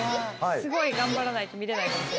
すごい頑張らないと見れないかもしれない。